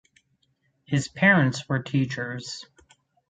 His parents were teachers.